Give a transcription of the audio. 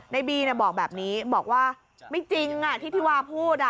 ในบีบอกแบบนี้บอกว่าไม่จริงที่ที่วาพูด